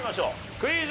クイズ。